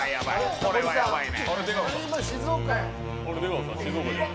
これはやばいね。